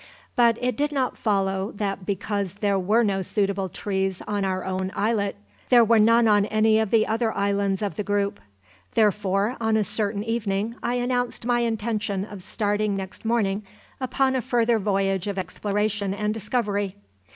But it did not follow that because there were no suitable trees on our own islet, there were none on any of the other islands of the group; therefore on a certain evening I announced my intention of starting next morning upon a further voyage of exploration and discovery.